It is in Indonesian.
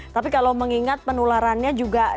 tapi kalau mengingat penularannya juga